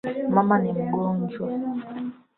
Mama ni mgonjwa